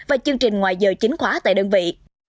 và chương trình ngoài giờ chính khóa tại đơn vị